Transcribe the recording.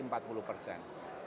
di tahun dua ribu dua puluh